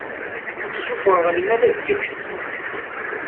Sufɣeɣ lmal ad yeks.